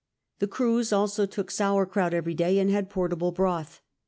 The crews also took sour krout every day and had portable broth.